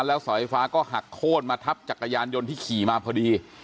แล้วเสาไฟฟ้าก็หักโค้นมาทับจักรยานยนต์ที่ขี่มาพอดี